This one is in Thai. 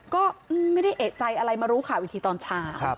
ก็ไม่ได้เอกใจอะไรมารู้ค่ะวิธีตอนฉาม